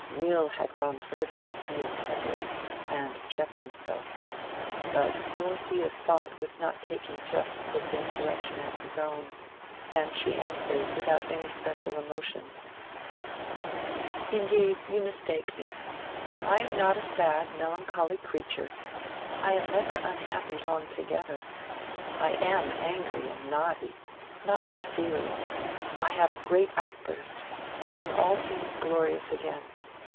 Will had gone further than he intended, and checked himself. But Dorothea's thought was not taking just the same direction as his own, and she answered without any special emotion— "Indeed you mistake me. I am not a sad, melancholy creature. I am never unhappy long together. I am angry and naughty—not like Celia: I have a great outburst, and then all seems glorious again.